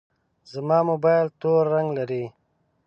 زما موبایل تور رنګ لري.